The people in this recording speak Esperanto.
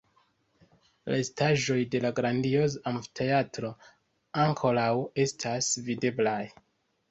La restaĵoj de grandioza amfiteatro ankoraŭ estas videblaj.